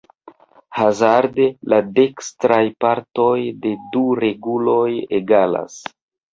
Hazarde la dekstraj partoj de du reguloj egalas.